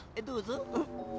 どうぞ。